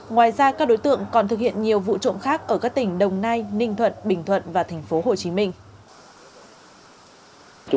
ngoài ra các đối tượng còn thực hiện nhiều vụ trộm khác ở các tỉnh đồng nai ninh thuận bình thuận và thành phố hồ chí minh